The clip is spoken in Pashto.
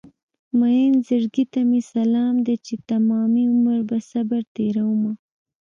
مين زړګي ته مې سلام دی چې تمامي عمر په صبر تېرومه